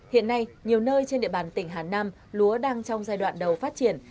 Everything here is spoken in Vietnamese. hiện nay nhiều nơi trên địa bàn tỉnh hà nam lúa đang trong giai đoạn đầu phát triển